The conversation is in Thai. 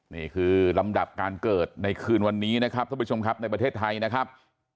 นี่คือลำดับการเกิดในคืนวันนี้นะครับท่านผู้ชมครับในประเทศไทยนะครับ